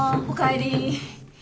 おかえり。